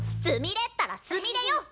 すみれったらすみれよ！